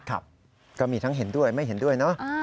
ครับก็มีทั้งเห็นด้วยไม่เห็นด้วยเนอะ